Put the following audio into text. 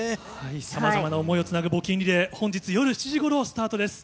さまざまな想いをつなぐ募金リレー、本日夜７時ごろ、スタートです。